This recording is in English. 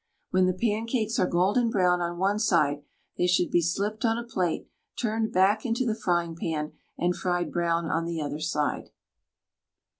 When the pancakes are golden brown on one side, they should be slipped on a plate, turned back into the frying pan, and fried brown on the other side.